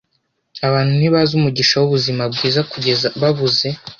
Abantu ntibazi umugisha wubuzima bwiza kugeza babuze.